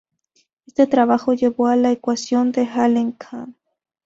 Este trabajo llevo a la ecuación de Allen–Cahn.